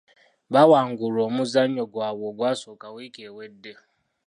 Baawangulwa omuzannyo gwaabwe ogwasooka wiiki ewedde.